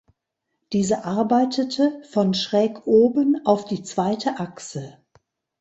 Diese arbeitete von schräg oben auf die zweite Achse.